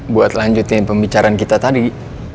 buat lanjutin pembicaraan kita tadi